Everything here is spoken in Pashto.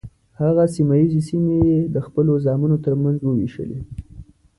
هغه سیمه ییزې سیمې یې د خپلو زامنو تر منځ وویشلې.